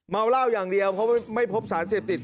เหล้าอย่างเดียวเพราะไม่พบสารเสพติด